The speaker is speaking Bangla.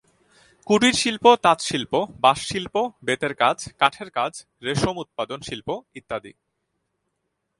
কুটিরশিল্প তাঁতশিল্প, বাঁশশিল্প, বেতের কাজ, কাঠের কাজ, রেশম উৎপাদন শিল্প ইত্যাদি।